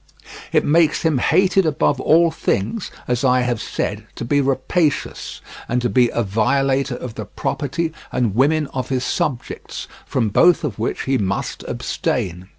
It makes him hated above all things, as I have said, to be rapacious, and to be a violator of the property and women of his subjects, from both of which he must abstain.